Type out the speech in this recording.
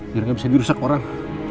biar nggak bisa dirusak orang